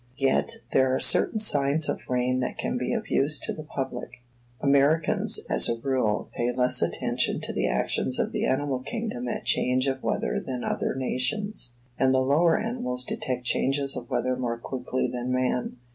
Yet, there are certain signs of rain that can be of use to the public. Americans, as a rule, pay less attention to the actions of the animal kingdom at change of weather than other nations; and the lower animals detect changes of weather more quickly than man.